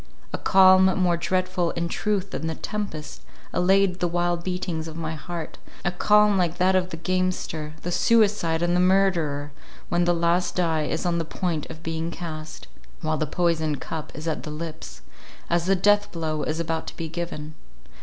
A calm, more dreadful in truth than the tempest, allayed the wild beatings of my heart—a calm like that of the gamester, the suicide, and the murderer, when the last die is on the point of being cast—while the poisoned cup is at the lips,—as the death blow is about to be given.